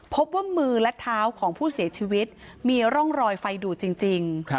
พบว่ามือและเท้าของผู้เสียชีวิตมีร่องรอยไฟดูดจริง